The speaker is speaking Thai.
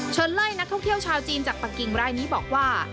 ไล่นักท่องเที่ยวชาวจีนจากปากกิ่งรายนี้บอกว่า